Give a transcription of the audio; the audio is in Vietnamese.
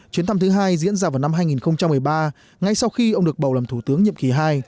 chuyến thăm thứ hai diễn ra vào năm hai nghìn một mươi ba ngay sau khi ông được bầu làm thủ tướng nhiệm kỳ hai